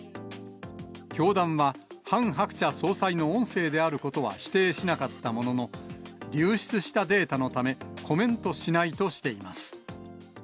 教団はハン・ハクチャ総裁の音声であることは否定しなかったものの、流出したデータのため、コメントしないとしています。